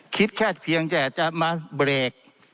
คิดแค่เพียงแต่จะมาเบรก